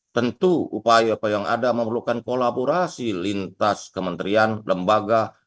tentu upaya upaya yang ada memerlukan kolaborasi lintas kementerian lembaga